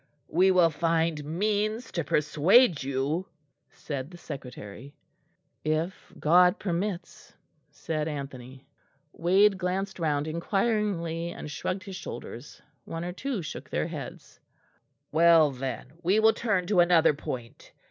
"We will find means to persuade you," said the Secretary. "If God permits," said Anthony. Wade glanced round inquiringly and shrugged his shoulders; one or two shook their heads. "Well, then, we will turn to another point.